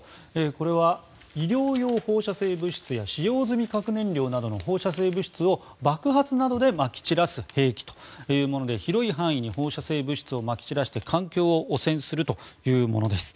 これは医療用放射性物質や使用済み核燃料などの放射性物質を爆発などでまき散らす兵器というもので広い範囲に放射性物質をまき散らして環境を汚染するというものです。